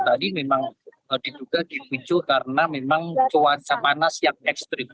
jadi memang ditugas dipicu karena memang cuaca panas yang ekstrim